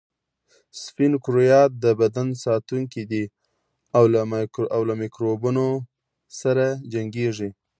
سپین کرویات د بدن ساتونکي دي او له میکروبونو سره جنګیږي